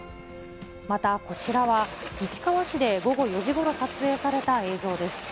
また、こちらは市川市で午後４時ごろ撮影された映像です。